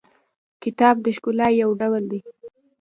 کتاب د ښکلا یو ډول دی.